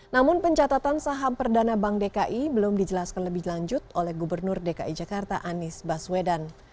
namun pencatatan saham perdana bank dki belum dijelaskan lebih lanjut oleh gubernur dki jakarta anies baswedan